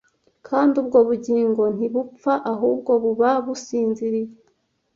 kandi ubwo (bugingo) ntibupfa (ahubwo) buba businziriye